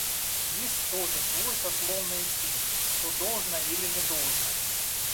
Есть тоже свой сословный инстинкт, что должно или не должно.